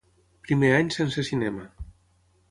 Primer any sense cinema.